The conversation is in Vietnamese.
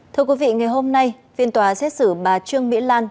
thưa quý vị ngày hôm nay phiên tòa xét xử bà trương mỹ lan